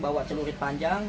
bawa celurit panjang